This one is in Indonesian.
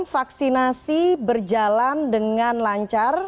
vaksinasi berjalan dengan lancar